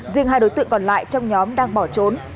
riêng hai đối tượng còn lại trong nhóm đang bỏ trốn